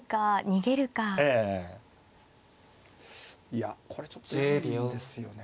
いやこれちょっと詰むんですよね。